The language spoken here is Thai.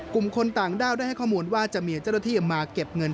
กลุ่มคนต่างด้าวได้ให้ข้อมูลว่าจะมีจะเงินจากรายงาน